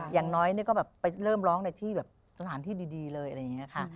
อย่างน้อยก็แบบไปเริ่มร้องในที่แบบสถานที่ดีเลยอะไรอย่างนี้ค่ะ